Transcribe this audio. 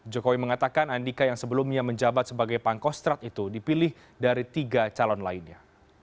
jokowi mengatakan andika yang sebelumnya menjabat sebagai pangkostrat itu dipilih dari tiga calon lainnya